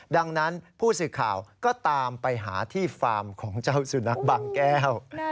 ดังนั้นผู้สื่อข่าวก็ตามไปหาที่ฟาร์มของเจ้าสุนัขบางแก้ว